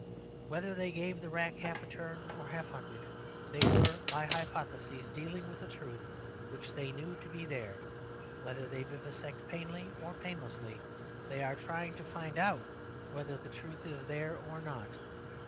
Whether they gave the rack half a turn or half a hundred, they were, by hypothesis, dealing with a truth which they knew to be there. Whether they vivisect painfully or painlessly, they are trying to find out whether the truth is there or not.